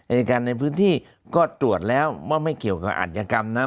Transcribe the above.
อายการในพื้นที่ก็ตรวจแล้วว่าไม่เกี่ยวกับอัธยกรรมนะ